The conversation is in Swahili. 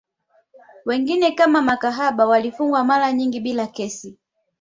Wengine kama makahaba walifungwa mara nyingi bila kesi